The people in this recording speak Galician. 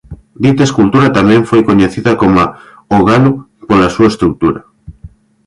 Dita escultura tamén foi coñecida coma "O galo" pola súa estrutura.